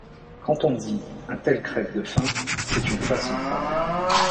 Quand on dit: « Un tel crève de faim, » c’est une façon de parler.